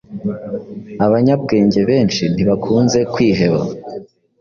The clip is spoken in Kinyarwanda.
Abanyabwenge benshi ntibakunze kwiheba